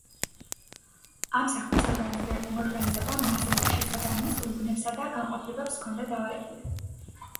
ამ საქმის ორგანიზება მაზრების შესაბამის უბნებსა და განყოფილებებს ჰქონდა დავალებული.